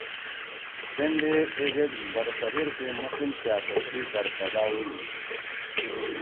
تیندے ایزید برصغیر سی مسلم سیاست سی در پدا ہُوئی